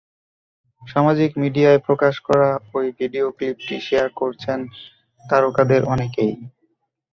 সামাজিক মিডিয়ায় প্রকাশ করা ওই ভিডিও ক্লিপটি শেয়ার করছেন তারকাদের অনেকেই।